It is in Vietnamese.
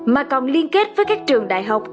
mà còn liên kết với các trường đại học